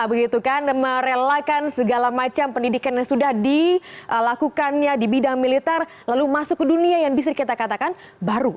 begitu kan merelakan segala macam pendidikan yang sudah dilakukannya di bidang militer lalu masuk ke dunia yang bisa kita katakan baru